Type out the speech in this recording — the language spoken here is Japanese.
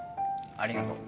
ありがとう。